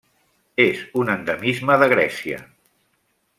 És un endemisme de Grècia.